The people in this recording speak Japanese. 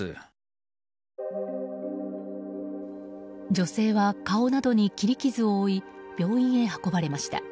女性は顔などに切り傷を負い病院へ運ばれました。